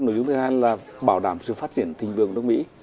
nội dung thứ hai là bảo đảm sự phát triển thình vương của nước mỹ